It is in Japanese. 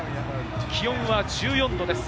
気温は１４度です。